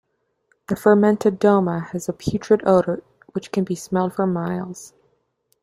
The fermented doma has a putrid odour, which can be smelled from miles.